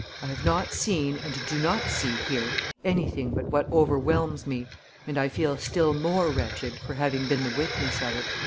I have not seen and do not see here anything but what overwhelms me, and I feel still more wretched for having been the witness of it."